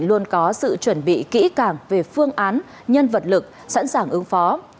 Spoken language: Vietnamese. luôn có sự chuẩn bị kỹ càng về phương án nhân vật lực sẵn sàng ứng phó